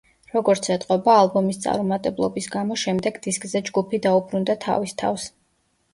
როგორც ეტყობა, ალბომის წარუმატებლობის გამო, შემდეგ დისკზე ჯგუფი დაუბრუნდა თავის თავს.